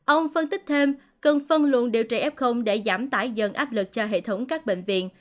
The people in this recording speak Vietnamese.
ông phân tích thêm cần phân luận điều trị f để giảm tải dần áp lực cho hệ thống các bệnh viện